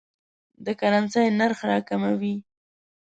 د کرنسۍ نرخ راکموي.